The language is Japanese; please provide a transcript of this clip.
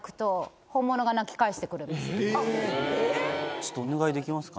ちょっとお願いできますか？